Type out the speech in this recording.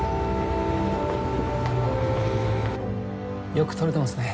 よく撮れてますね。